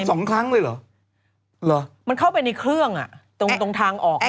สองครั้งเลยเหรอมันเข้าไปในเครื่องอ่ะตรงตรงทางออก